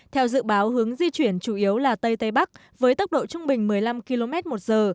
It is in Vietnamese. theo dự báo hướng di chuyển chủ yếu là tây tây bắc với tốc độ trung bình một mươi năm km một giờ